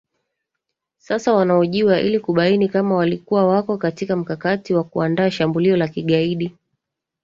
sasa wanahojiwa ilikubaini kama walikuwa wako katika mkakati wa kuandaa shambulio la kigaidi